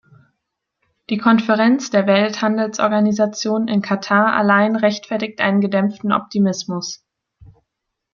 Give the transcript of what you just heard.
Die Konferenz der Welthandelsorganisation in Qatar allein rechtfertigt einen gedämpften Optimismus.